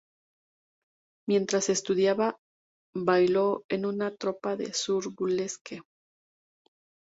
Mientras estudiaba, bailó en una tropa de Burlesque.